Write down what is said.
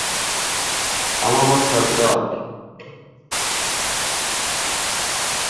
কুরু-পাঞ্চাল, কোশল-বিদেহ এবং তার পূর্ব ও দক্ষিণের সন্নিহিত অঞ্চল ছিল ব্রাহ্মণ্য হিন্দুধর্মের মূল কেন্দ্র।